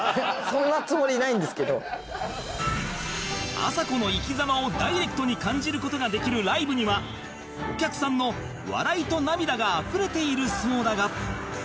あさこの生き様をダイレクトに感じる事ができるライブにはお客さんの笑いと涙があふれているそうだが